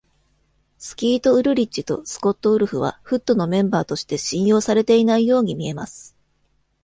スキート・ウルリッチとスコット・ウルフはフットのメンバーとして信用されていないように見えます。